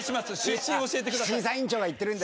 審査委員長が言ってるので。